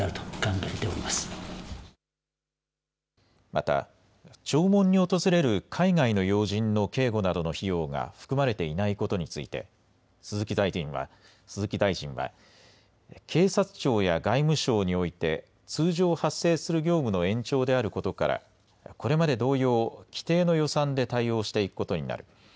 また弔問に訪れる海外の要人の警護などの費用が含まれていないことについて鈴木大臣は警察庁や外務省において通常発生する業務の延長であることからこれまで同様、既定の予算で対応していくことになる。